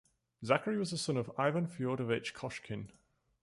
Zakhary was a son of Ivan Fyodorovich Koshkin.